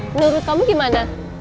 menurut kamu gimana